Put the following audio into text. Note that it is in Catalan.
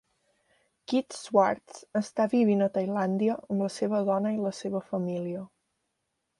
Kit Swartz està vivint a Tailàndia amb la seva dona i la seva família.